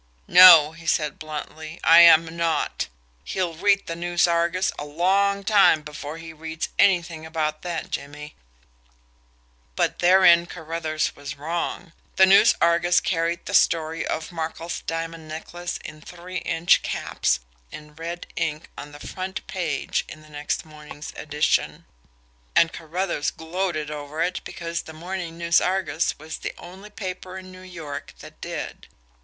"No," he said bluntly. "I am not. He'll read the NEWS ARGUS a long time before he reads anything about that, Jimmie." But therein Carruthers was wrong the NEWS ARGUS carried the "story" of Markel's diamond necklace in three inch "caps" in red ink on the front page in the next morning's edition and Carruthers gloated over it because the morning NEWS ARGUS was the ONLY paper in New York that did.